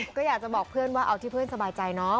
ก็อยากจะบอกเพื่อนว่าเอาที่เพื่อนสบายใจเนาะ